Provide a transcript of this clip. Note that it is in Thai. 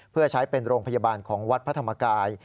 เพื่อใช้เป็นโรงพยาบาลของวัดพระธรรมกาย